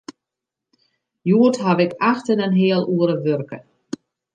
Hjoed haw ik acht en in heal oere wurke.